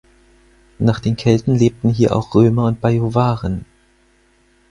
Nach den Kelten lebten hier auch Römer und Bajuwaren.